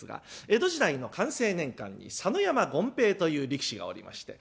江戸時代の寛政年間に佐野山権兵衛という力士がおりまして。